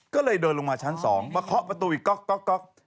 ก็เลยเดินลงมาชั้นสองมาขอประตูอีกก๊อกก๊อกก๊อก